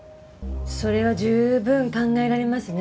それは十分考えられますね。